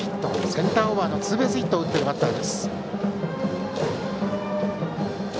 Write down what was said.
センターオーバーのツーベースヒットを打っているバッター。